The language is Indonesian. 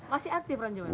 masih aktif ranjaunya